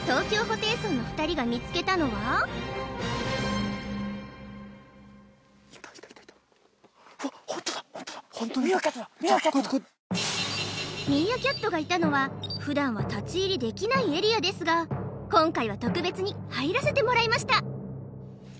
ホテイソンの２人が見つけたのはミーアキャットがいたのは普段は立ち入りできないエリアですが今回は特別に入らせてもらいました